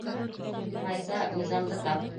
Файза, Низамды тап.